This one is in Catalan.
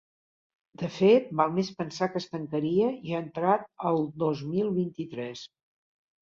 De fet, val més pensar que es tancaria ja entrat el dos mil vint-i-tres.